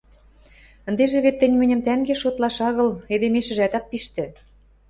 Ӹндежӹ вет тӹнь мӹньӹм тӓнгеш шотлаш агыл, эдемешӹжӓт ат пиштӹ...